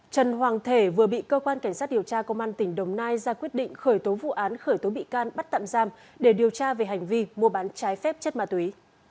trần hoàng thể vừa bị cơ quan cảnh sát điều tra công an tỉnh đồng nai ra quyết định khởi tố vụ án khởi tố bị can bắt tạm giam để điều tra về hành vi mua bán trái phép chất ma túy